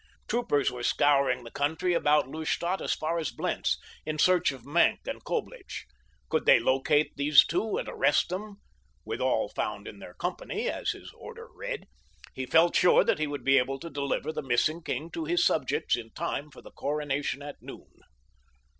Troopers were scouring the country about Lustadt as far as Blentz in search of Maenck and Coblich. Could they locate these two and arrest them "with all found in their company," as his order read, he felt sure that he would be able to deliver the missing king to his subjects in time for the coronation at noon.